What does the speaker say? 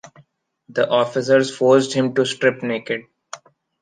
The officers forced him to strip naked.